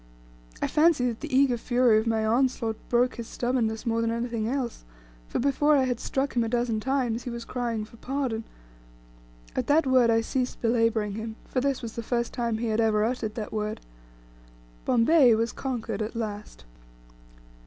I fancy that the eager fury of my onslaught broke his stubbornness more than anything else; for before I had struck him a dozen times he was crying for "pardon." At that word I ceased belaboring him, for this was the first time he had ever uttered that word. Bombay was conquered at last.